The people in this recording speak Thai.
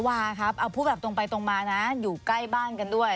วาครับเอาพูดแบบตรงไปตรงมานะอยู่ใกล้บ้านกันด้วย